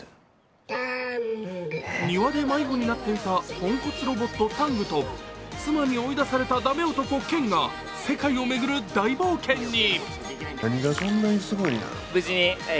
庭で迷子になっていたポンコツロボット、タングと妻に追い出された駄目男・健が世界を巡る大暮雲に。